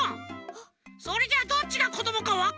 それじゃあどっちがこどもかわかんないでしょ！